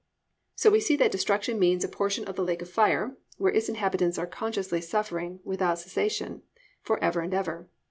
"+ So we see that destruction means a portion in the lake of fire where its inhabitants are consciously suffering without cessation for ever and ever.